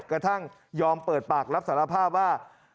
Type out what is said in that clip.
กระทั่งยอมเปิดปากรับสารภาพว่า